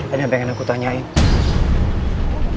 ada yang pengen aku tanyain